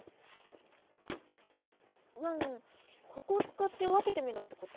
ワンはこをつかって分けてみろってこと？